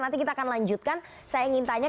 nanti kita akan lanjutkan saya ingin tanya